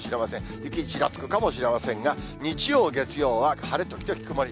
雪ちらつくかもしれませんが、日曜、月曜は晴れ時々曇り。